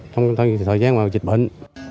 trong thời gian dịch bệnh